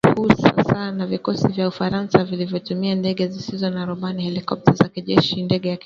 mwaka huu hasa na vikosi vya Ufaransa vilivyotumia ndege zisizo na rubani helikopta za kijeshi na ndege za kivita